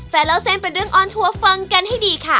เล่าเส้นเป็นเรื่องออนทัวร์ฟังกันให้ดีค่ะ